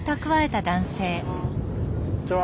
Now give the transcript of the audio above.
こんにちは。